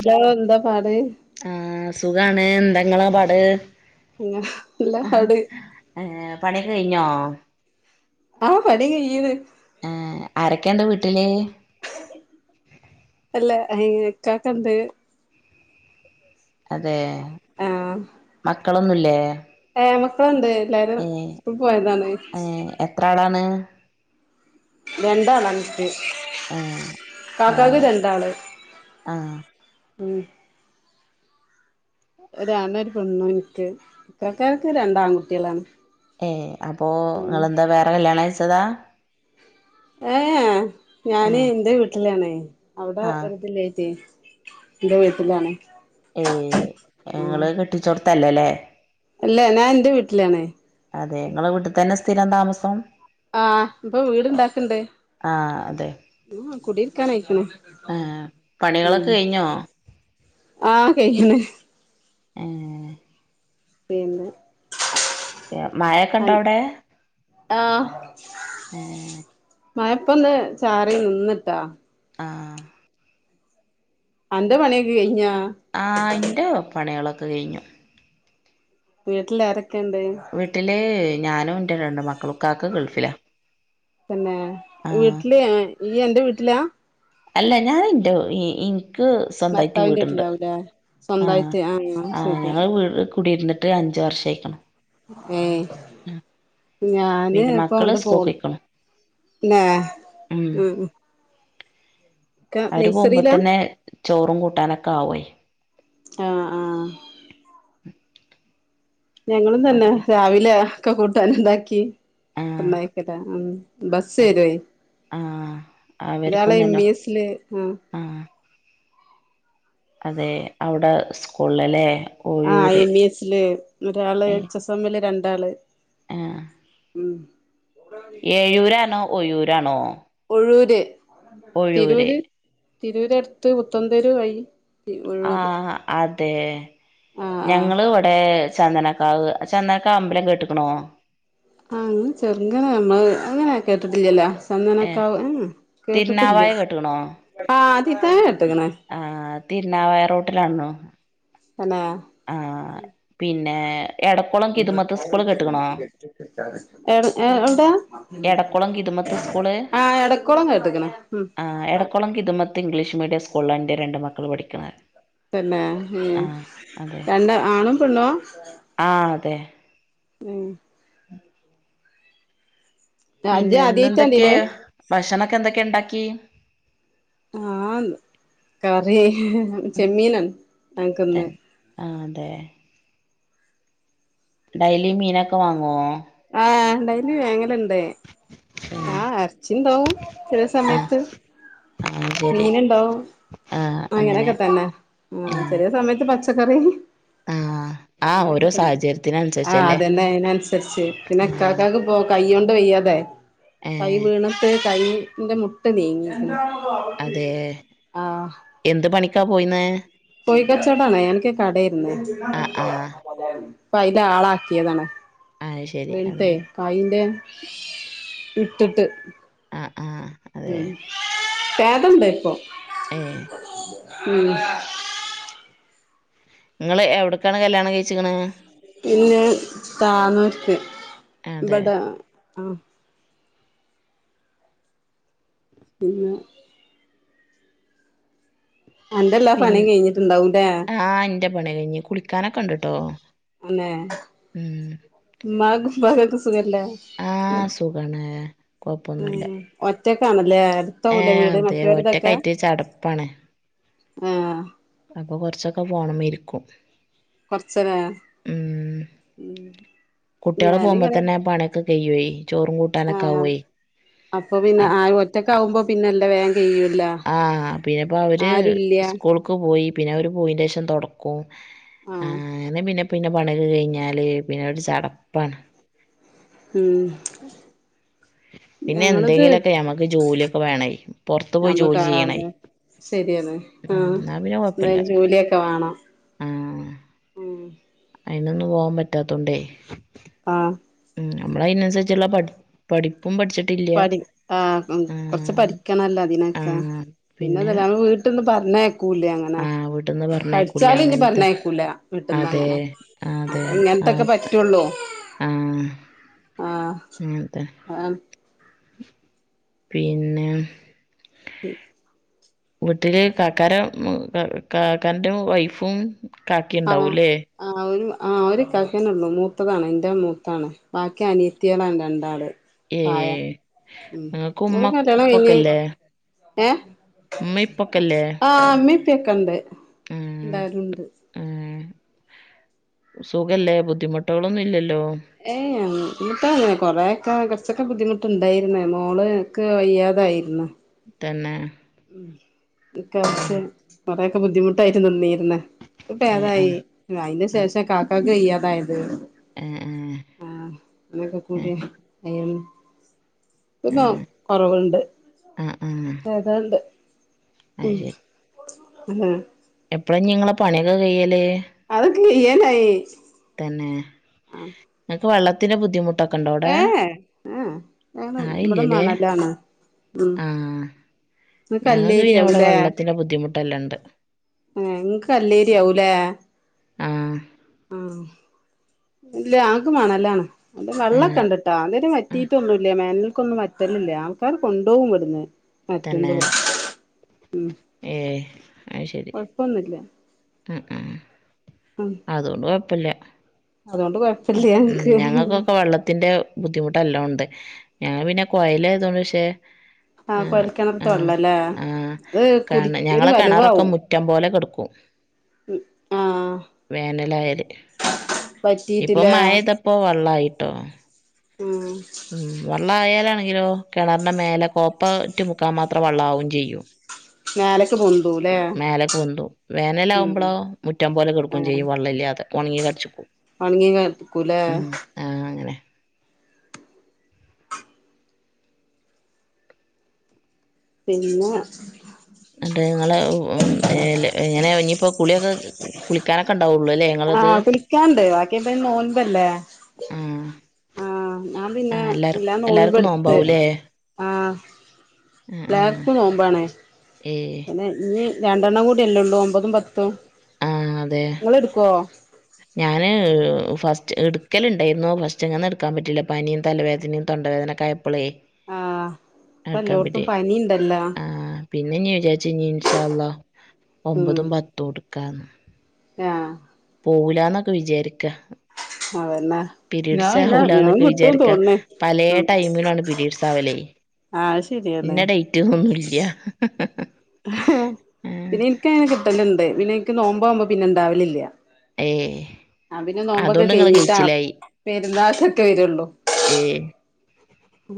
Hello എന്താ പാട്. സുഖമാണ് എന്താ ങ്ങള പാട്. നല്ല പാട് ഏ പണിയൊക്കേ കഴിഞ്ഞോ? ആ പണി കഴിയണ്. ഏഹ് ആരൊക്കെയുണ്ട് വീട്ടില് അല്ല അയിനക്കാട്ടെണ്ട്. അതെ ആ മക്കളൊന്നുല്ലേ. എ മക്കളുണ്ട് എല്ലാരും ഏഹ് സ്ക്കൂൾ പോയതാണ്. ഏഹ് എത്ര ആളാണ് രണ്ടാള. ഏഹ് കാക്കക്ക് ആഹ് രണ്ടാള് ആഹ് ഉം. ഒരാണും ഒരു പെണ്ണും ഇൻക്ക് ഇക്കാക്കാക്ക് രണ്ട് ആൺകുട്ടികളാണ്. ഏ അപ്പോ ങ്ങളന്താ വേറെ കല്യാണം കയിച്ചതാ. ഏ ഞാന് ഇന്റെ വീട്ടിലാണെ അവിടെ ആഹ് ഒരു ഇതില്ലായിറ്റെ. ന്റെ വീട്ടിലാണ്. ഏ ഞങ്ങള് കെട്ടിച്ചോടുത്തല്ലലേ. അല്ല ഞാൻ ഇന്റെ വീട്ടിലാണേ. അതെ ങ്ങളെ വീട്ട് തന്നെ സ്ഥിരം താമസം. ആ ഇപ്പൊ വീട്ണ്ടാക്ക്ണ്ട്. ആഹ് അതെ ഉം കുടിരിക്കാനയിക്ക്ണ് ഏഹ് ഉം. പണികളൊക്കെ കഴിഞ്ഞോ ആഹ കഴിഞ്ഞണ് ഏ പിന്നേ മായൊക്കെ ഇണ്ടോ അവിടെ ആഹ ഏ മയപ്പൊന്ന് ചാറി നിന്നിട്ടാ ആ അന്റെ പണ്യൊക്ക കയ്ഞ്ഞോ ആയിന്റെ പണികളൊക്കെ കഴിഞ്ഞു വീട്ടിലേരൊക്കെ വീട്ടില് ഞാനും എന്റെ രണ്ട് മക്കളും കാക്ക ഗൾഫിലാ പിന്നെ ആഹ് വീട്ടില് ഈ എന്റെ വീട്ടിലാ അല്ല ഞാനിണ്ടോ ഈ ഈ നിക് സ്വന്തമായിട്ട് ഭർത്താവിന്റെ വീടുണ്ട് വീട്ടിലാവൂലേ ആ സ്വന്തായിട്ട് ആഹ് അത് ആ് ശരി ഞങ്ങട് കു ടിരുന്നിട്ട് ഒ അഞ്ച് വർഷമായികണ് ഏയ് ഞാന് പിന്നെ ഇപ്പ മക്കള് അണ്ട് പോന്നു സ്കൂൾക്കോയ്ക്ക്ണ് ന്നേ ഉം മ് മ് അവര് പോകുമ്പോ തന്നെ ചോറും കൂട്ടാനൊക്കെ ആവും ആഹ ആഹ ഞങ്ങളും തന്നെ രാവിലെ ഒക്കെ കൂട്ടൻ ഇണ്ടാക്കി ആഹ് ഒന്നായിക്കട്ടാ ഉ ബസ് അതെ വര്യായ് ആഹ് ഒരാൾ അവർക്കും എം തന്നെ ഈ എസ് ല് ആഹ ആഹ് അതെ അവിടെ സ്കൂള ല്ലേ- ആഹ എം ഇ എസ്ല് ല് ഒരാള് എച്ച് എസ് എം മിൽ രണ്ടാള് ആഹ ഉം ഏഴൂരാ ആണോ ഒയ്യൂരാണോ ഴൂര് തിരൂര് തിരൂർ അടുത്ത് പുത്തന്തൂരു വഴി ആ ഒഴൂര് അതെ ആ ആ ഞങ്ങള് ഇവിടെ ചന്ദന കാവ് ചെന്നക്കെ അമ്പലം കേട്ട്ക്കണോ ആ അനങ് ചെറുങ്ങനെ നമ്മള് അങ്ങനെ കേട്ടിട്ടില്ലല്ലോ ഏഹ് ചന്തനൊക്കാവ കേട്ടിട്ടില്ല തിരുനാവായ ആ ആതി [unintelligible] ആഹ തിരുനാവയ റോട്ടിലാണോ തന്നെ ആഹ് പിന്നെ എടക്കുളം കിതുമത്ത് സ്കൂള് [inaudible] കേട്ട്ക്കണോ ഏഏ എവിടെ സ്കൂൾ ഉം ആ എടക്കുളം കിതമത്ത് ഇംഗ്ലീഷ് മീഡിയ സ്കളിൽ എന്റെറെ രണ്ട് മക്കൾള് പഠിക്കണെ ആഹ് അതെ രണ്ടാ ആണും പെണ്ണു ആ ആഹ് അതെ ഉം ഇജ്ജ് പിന്നെന്ന് ആദ്യായിട്ടാ എന്തൊക്കെ ഇതില് ഭക്ഷണക്കെ എന്തൊക്കെ ണ്ടാക്കി ആഹ കറി ചെമ്മീന ഞനക്ക് ഇന്ന് ആ അതെ ഡെയലി മീനൊക്കെ വങ്ങോ ആ ഡൈലി വേങ്ങല് ലണ്ട് ആ ഏഹ് അർച്ചിണ്ടാവും ചില ആഹ് സമയത്ത് ആഹ് ശരി മീൻ ണ്ടാവും ആഹ് അങ്ങനെ അങ്ങനെയൊക്കെ തന്നെ ആ ഏഹ് ചെറിയ സമയത്ത് പ ത്ത ക്കറീ [unintelligible] ആഹ് ആഹ് ഓരോ അങ്ങനെയെക്കെന്നെ ആഹ് സാഹചര്യത്തിനനുസരിച്ചല്ലേ അതന്നെ അതിനനുസരിച്ച് പിന്നെ ആഹ് ഇക്കാക്ക് പോ കയ്യൊന്ന്. ത് വയ്യാതെ കൈ ഏഹ് വീണിട്ട് കൈയിന്റെ മുട്ട് നീങ്ങിയിക്ണ്. അതെ എന്ത് പണിക്കാ പോയിന്നേ? കോഴി കച്ചോടാണ് എനിക്ക് കടയാരുന്നു ആഹ് ആഹ് അപ്പ അയില് ആളാക്കിയതാണ്. അത് ശരി അതെ വീണിട്ടേ കയിന്റെ ഇട്ടിട്ട്. ആഹ് ആഹ് അതെ ഉം ഭേദണ്ടിപ്പം. ഏഹ് ഉം നിങ്ങെളെ എവിടേക്കാണ് കല്യാണം കഴിച്ചിക്കെണ്? എന്നെ താനൂർക്ക് അതെ ഇവെടെ. ആഹ് പിന്നെ എന്റെല്ലാ പണിയും കഴിഞ്ഞിട്ടുണ്ടാവുല്ലേ. ന്റെ പണി കഴിഞ്ഞ്. കുളിക്കാനൊക്കെണ്ടുട്ടോ അന്നെ. മ്മാകും വളയെക്കെ സ് സുഖല്ലേ? ഉം ആഹ് സുഖാണ് കൊഴപ്പൊന്നുല്ല ഉം ഒ ല്ലേ അടുത്ത കൊല്ലം ഏഹ് വീട് അതെ മറ്റവർക്കെക്കെ ഒറ്റക്കായിട്ട് ചടപ്പാണ് ഏഹ് അപ്പ കൊറെച്ചെക്കെ പോണമിരിക്കും. കൊറെച്ചനേ. കുട്ടിള് പോമ്പോ തന്നെ പണിയൊക്കെ കയിയുവേ. ചോറും കൂട്ടാനൊക്കെ ആഹ് ആവ്വേ. അപ്പൊ പിന്നെ ആരും ഒറ്റക്കാവുമ്പോ പിന്നെല്ല വേ ആഹ് പിന്നിപ്പോ അവെര് ആരുല്ല സ്കൂൾക്ക് പോയി. പിന്നെ അവെര് പോയിന്റേ ശേഷം തൊടക്കും ആഹ് ഇന്ന് പിന്നെ. പിന്നെ പണിക്ക് കഴിഞ്ഞാല് പിന്നെ ഒരു ചടപ്പാണ്. ഉം പിന്നെ ഞങ്ങളിത് എന്തെങ്കിലൊക്കെ ഞമ്മക്ക് ജോലിയെക്കെ വേണേ. പൊറത്തു പോയി ജോലി ചെയ്യണേ. ശരിയാത് ഉം എന്നാ പിന്നെ കൊഴപ്പില്ല എന്തേലും ജോലിയൊക്കെ വേണം. ആഹ് ഉം അയിനൊന്നും പോവാൻ പറ്റാത്തോണ്ടേ. ആഹ് നമ്മെളയിനനുസരിച്ചൊള്ള പഠ പഠി പഠിച്ചിട്ടില്ല പഠി ആഹ് ഉം കൊറെച്ച് ആഹ് പഠിക്കെണല്ലോ അതിനെക്കെ. ആഹ് പിന്നെ പിന്നെതല്ല അങ്ങ് വീട്ടി പറഞ്ഞാ കേക്കൂലേങ്ങനെ? ആഹ് വീട്ടിന്ന് പറഞ്ഞയക്കൂല പഠിച്ചാലും. ഇനി അങ്ങനത്തെ പറഞ്ഞേക്കൂല വിട്ടിന്ന് അതെ അങ്ങനെ. അപ്പ അതെ ആഹ് ഇങ്ങനത്തെക്കെ പറ്റുള്ളൂ. ആഹ് ആഹ് അങ്ങനത്തെ ആം പിന്നെ [unintelligible] വീട്ടില് കാക്കാര കാക്കാരന്റെ വൈഫും ആഹ് കാക്കിുണ്ടാവൂല്ലേ ആഹ് ഒരു ആഹ് ഒരു ഇക്കാകാനേ ഉുള്ളൂ മൂത്തതാണ് എൻ്റെ മൂത്താണ് ബാക്കി അനീത്തിയളാണ് രണ്ടാള് പായ ഏഹ് ഉം നിങ്ങക്ക് ഒരു ഉമ്മ കല്ല്യാണം കഴിഞ്ഞ് ഉപ്പൊക്കെല്ലേ ഏ- ഉമ്മ ഇപ്പൊക്കെല്ലേ ആഹ അമ്മപ്പൊക്കെ ഉണ്ട് ആഹ് എല്ലരുംണ്ട് ആഹ് സുഖല്ലേ ബുദ്ധിമുട്ടുകളൊന്നും ഇല്ലല്ലോ ഏയ് എന്നിട്ടങ്ങനെ കൊറെക്കെെ കുറച്ചൊക്കെ ബുദ്ധിമുട്ടുണ്ടായിരുന്ന മോള് ഒക്കെ വയ്യാതായിരുന്നു തന്നെ ഉെക്ഷ ഉം വഴയൊക്കെ ബുദ്ധിമുട്ടായിരുന്നു നീ പിന്നെ ഇപ്പ ഏഹ് ഭേതായി ആഹ് അതിന് ആഹ് ശേഷം കാക്കക്ക് വയ്യാതായത് ഏഹ് ആഹ് ഏഹ് ഏഹ് അങ്ങനെക്കെകൂടി അയാൻ ഇന്ന ഏഹ് കൊറവുണ്ട് ആഹ് ആഹ് അതാണ്ട് അത് ഉം ആ എപ്പള നി ഇങ്ങളെ പണിയൊക്കെ കയ്യല് അതൊക്കെ കയ്യാനായി തന്നെ ങ്ങക്ക് വെള്ളത്തിന് ബുദ്ധി ഏ ഏ ഞ ആഹ് ഇവിടെ ഇല്ലല്ലേ മണലാണ് ഉം ഇങ്ങക്ക് ഞങ്ങൾക്ക് പിന്നെ ഇവ്ടെ കല്ലേരിയാവൂലേ വെള്ളത്തിന്റെ ബുദ്ധിമുട്ടെല്ലാം ഇണ്ട് ആ ഇങ്ങക്ക് കല്ലേരിയാവൂലേ ആ ഉം ഇല്ല ആകെ മാണലാണ് ആഹ് വള്ളംക്കെണ്ട്ട്ടൊ ഇതരേം ആഹ് വറ്റിട്ടൊന്നൂല്ല വേനൽക്കൊന്നും വറ്റ ഇല്ലല്ല ആൾക്കാര് കൊണ്ടോവും ഇവ്ട്ന്ന് തന്നെ പറ്റുമ്പള് ഉം ഏഹ് കൊഴപ്പൊന്നുല്ല ഉം ഉം ഉം അതുകൊണ്ട് കൊഴപ്പല്ല അതോണ്ട് കൊഴപ്പല്ല ഉം ഞങ്ങക്ക് ഞങ്ങക്കൊക്കെ വള്ളത്തിന്റെ ബുദ്ധിമുട്ട് നല്ലാംണ്ട് ഞങ്ങ പിന്നെ കൊയലായതോണ്ട് പഷേ ആ കോയൽക്കണറിത്തെ വള്ളല്ലേ ആ കെ ഞങ്ങളെ കെണറൊക്കെ മുറ്റം പോലെ കെടുക്കും ഉം ആ പറ്റി ഇപ്പൊ മയയ്തപ്പോ വെള്ളായിട്ടോ ഉം ഉം വള്ളം ആയാലാണെ ങ്കിലോ കെണറിന്റെ മേലെ കോപ്പ റ്റ് മുക്കാൻ മാത്രം വള്ളാവും ചെയ്യും മേലക്ക് പോ മേലെക്ക്‌ പോന്തും ഉം വേനലാമ്പളോ മുറ്റം പോലെ കെടക്കും ആഹ് ചെയ്യും വള്ളല്ലാതെ ഉണങ്ങി കടിച്ച്ക്കും ഒണങ്ങി കേട്ക്കൂലെ അങ്ങനെ പിന്നെ അതെ ഇങ്ങളെ എല് എങ്ങനെ ഞ്ഞിപ്പോ കുളിയൊക്കെ കുളിക്കാനൊക്കെ ഉണ്ടാവൊള്ളൂ അല്ലേ ഇങ്ങ ആ കുളിക്കാണ്ട് ബാക്കി എന്താലും നോമ്പല്ലേ ആ ആ എല്ലാ എല്ലാർക്കും എല്ലാർക്കും നോൻപെടുത്ത് നോമ്പാവൂലേ ആഹ് എല്ലാർക്കും നോമ്പണേ ഏഹ് പിന്നെ ഇനി രണ്ടെണ്ണം കൂടിയല്ലേ ഉള്ളൂ ഒമ്പതും പത്തും ആഹ് അതെ ങ്ങള് എടുക്കോ ഞാന് ഫസ്റ്റ് എടുക്കല്ണ്ടായിരുന്നു പഷേ മിനിഞാന്ന് എടുക്കാൻ പറ്റില്ല പനിയും തലവേദനയും തൊണ്ട വേദനക്കെ പ്പളെ ആഹ് ഇപ്പ എടുക്കാൻ എല്ലോടത്തും പറ്റി പനിണ്ടല്ലോ ആ പിന്നെ ഇനി വിചാരിച്ച് ഇനി ഇൻ ഷാ അള്ളാ ഉം ഒമ്പതും പത്തും ടുക്കാന്ന് ആഹ് പോവുലന്നൊക്കെ വിചാരിക്ക അതന്നെ ഞാൻ പീരീഡ്സ് പിന്നെ ഞാൻ ആവുലന്നൊക്കെ കിട്ടും വിചാരിക്ക തോന്നണേ പലേ ഉം ടൈമിലാണ് പീരീഡ്സ് ആവലേ ആഹ് ശരിയാണ് ഇന്ന ഡേറ്റ്ന്നൊന്നുംല്ല പിന്നെനിക്ക് നോമ്പോവ്മ്പോ പിന്നെണ്ടാവലില്ല ഏ അതിന് നോമ്പൊക്കെ അതുകൊണ്ട് നിങ്ങള് കയിഞ്ഞിട്ടാ കഴിച്ചിലായി പെരുന്നാക്ക്ക്കെ വര്ള്ളു ഏ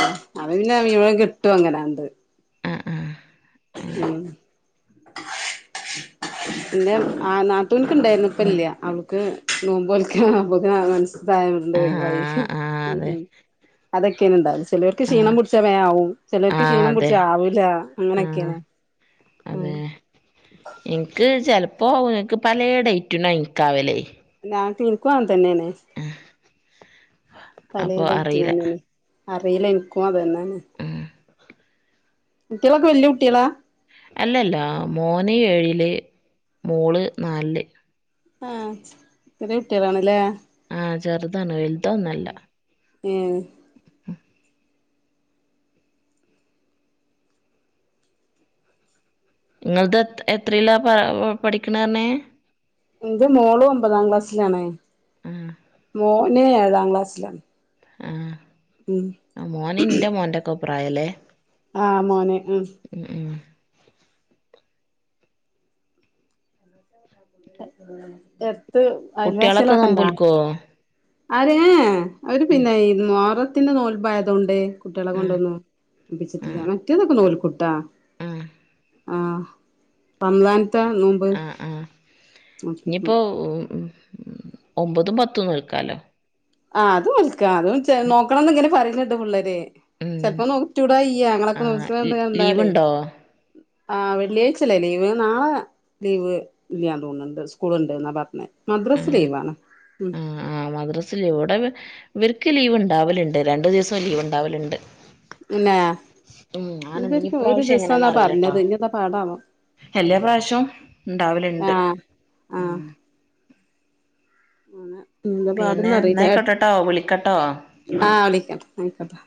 ആ അത് പിന്നെ മിവൻ കിട്ടും അങ്ങനാണ്ട് ആ ആ അങ്ങനെ ഉം പിന്നെ ആ നാത്തുൻക്ക് ഇണ്ടായ്ന്നു ഇപ്പല്ല്യ അവൾക്ക് നോമ്പോൽക്കാൻ ആവുമ്പോക്കിന് മെൻസസ് ആ ഐനോട്ണ്ട് ഒയിവായി ആ ഉം അതെ ഉം അതൊക്കേണ് ഇണ്ടാവല് ചെലോര്ക്ക് ആ ക്ഷീണം പുടിച്ചാ വേം ആവും ചെലോര്ക്ക് ക്ഷീണം പുടിച്ചാ ആവൂലാ അങ്ങനെ ആഹ് അതെ ഇനിക്ക് ചെല പോണെ ഇന്ക് പലേ ഡേറ്റ്നാ എന്ക്ക് ആവലെ [unintelligible] തന്നെണെ പല അപ്പൊ ഡേറ്റിന് അറിയില്ല നന്നെയാണ് അറിയില്ല ഇൻക്കും അതന്നാണ് ഉം കുട്ടികളൊക്കെ വല്ല്യാ കുട്ട്യാളാ അല്ലല്ലാ മോന് ഏഴില് മോള് നാലില് ആഹ് ചെറിയ കുട്ടികളാണല്ലേ ആ ചെറ്താണ് ഏ ഇങ്ങളത് എത്രേലാ പഠിക്കണേന്ന് പറഞ്ഞെ ഇന്റെ മോളും ഒമ്പതാം ക്ലാസ്സിലാണ് ഉം മോന് ഏഴാം ക്ലാസ്സിലാണ് ഉം ആ മോന് ഇന്റെ മോന്റൊക്കെ പ്രായൊ ല്ലേ ആ മോനെ ഉം അട്ത്ത് കുട്ട്യാളൊക്കെ അയൽവാസിയോളോയ്ക്കെണ്ടാ നോമ്പോൽക്കോ ആര് ഏ ഏ അവര് ഉം പിന്നെ ഈ മോറത്തിന്റെ നോൽപായതൊണ്ട് കുട്ടികളെ ഉം കൊണ്ടുവന്നു നൊപ്പിച്ചിട്ടില്ല ഉം മറ്റേതൊക്കെ നോൽക്കുട്ടാ ഉം ആ റംളാനത്ത നോമ്പ് നോക്കിക്ക്ണു ഇനിയിപ്പോ ഉം ഉം ഒമ്പതും പത്തും നോൽക്കാലോ ആ അത് നോൽക്കാ അതും നോക്കണംന്ന് ഇങ്ങനെ പറയിന്ന്ണ്ട് പി ള്ളേര് ഉം ചെൽപ്പോ നോറ്റൂടായ്ക ഇല്ല്യാ ഞങ്ങളൊക്കെ ആഹ് നോൽക്കണത് കണ്ടാലേ ലീവ്ണ്ടോ ആ വെള്ളിയാഴ്ചല്ലേ ലീവ് നാളെ ലീവ് ഇല്ല്യാന്ന് തോന്ന്ണ്ട് സ്കൂള്ണ്ടന്നാ പറഞ്ഞേ മദ്രസ് ഉം ലീവാണ് ഇവിടെ ഇവർക്ക് ലീവ് ഇൻണ്ടാവല്ണ്ട് രണ്ട് ദിവസം ലീവ് ഇൻണ്ടാവല്ണ്ട് പിന്നെ ഞാന് ഉം ഇവർക്ക് ഒരു ഇപ്രാവശ്യം എങ്ങനെയാന്ന് ദിവസാന്നാ അറിയിലാട്ടാ പറഞ്ഞത് ഇഞ്ഞെന്താ പാടാവോ എല്ലാ പ്രാവശ്യോം ഇൻണ്ടാവല്ണ്ട് ആഹ് ആ എന്താപാടെന്ന് പിന്നെ അറിലാ ഇന്നായിക്കോട്ടെട്ടോ വിളിക്കട്ടോ ആ വിളിക്യാ അതാ